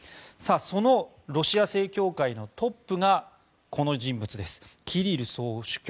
そのロシア正教会のトップがこの人物です、キリル総主教。